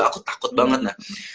aku takut banget mbak